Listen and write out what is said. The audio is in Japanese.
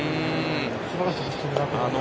素晴らしいピッチングだったと思います。